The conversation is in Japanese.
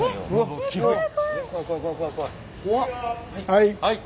はい。